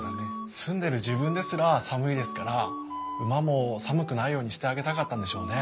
住んでる自分ですら寒いですから馬も寒くないようにしてあげたかったんでしょうね。